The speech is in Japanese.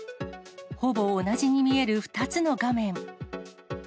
ほぼ同じに見える２つの画面。